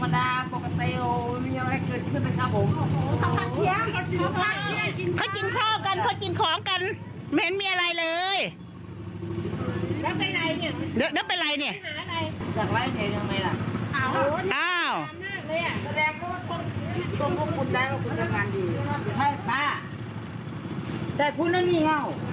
เดี๋ยวเป็นไรเนี่ย